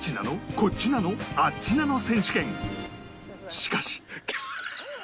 しかし